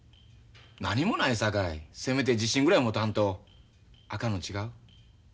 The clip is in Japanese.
何もないさかいせめて自信ぐらいは持たんとあかんの違う？